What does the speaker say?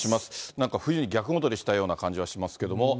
なんか冬に逆戻りしたような感じがしますけども。